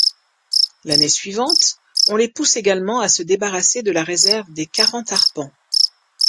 L'année suivante, on les pousse également à se débarrasser de la réserve des Quarante-Arpents.